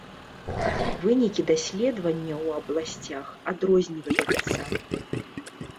Вынікі даследавання ў абласцях адрозніваецца.